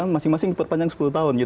masing masing diperpanjang sepuluh tahun